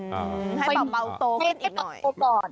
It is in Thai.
หรืออีกหน่อย